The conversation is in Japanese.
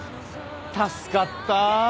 助かった！